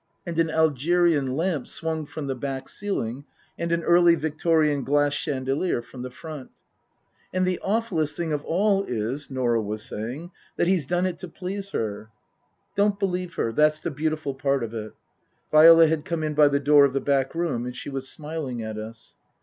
And an Algerian lamp swung from the back ceiling, and an Early Victorian glass chandelier from the front. " And the awfullest thing of all is," Norah was saying, " that he's done it to please her." " Don't believe her. That's the beautiful part of it." Viola had come in by the door of the back room and she was smiling at us.